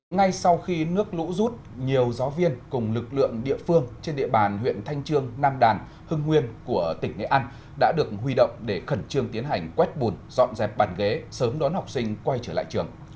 ngay sau khi nước lũ rút nhiều giáo viên cùng lực lượng địa phương trên địa bàn huyện thanh trương nam đàn hưng nguyên của tỉnh nghệ an đã được huy động để khẩn trương tiến hành quét bùn dọn dẹp bàn ghế sớm đón học sinh quay trở lại trường